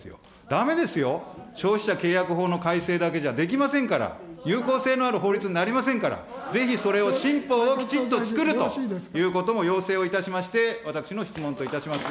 だめですよ、消費者契約法の改正だけじゃできませんから、有効性のある法律になりませんから、ぜひそれを新法をきちっとつくるということも要請をいたしまして、私の質問といたします。